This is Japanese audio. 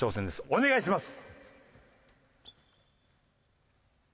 お願いします。